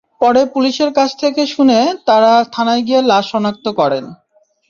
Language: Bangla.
পরে পুলিশের কাছ থেকে শুনে তাঁরা থানায় গিয়ে লাশ শনাক্ত করেন।